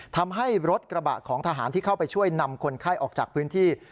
ทำให้รถกระบะของทหารที่เข้าไปช่วยนำคนไข้ออกจากพื้นที่